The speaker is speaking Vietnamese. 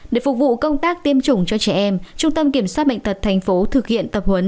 để phục vụ công tác tiêm chủng cho trẻ em trung tâm kiểm soát bệnh tật thành phố thực hiện tập huấn